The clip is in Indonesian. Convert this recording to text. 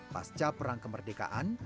pasca perang kemerdekaan